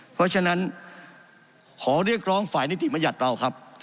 เพราะฉะนั้นขอเรียกร้องฝ่ายนิติมัญญัติเราครับ